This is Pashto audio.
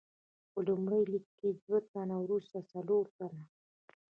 په لومړۍ لیکه کې دوه تنه، وروسته څلور تنه.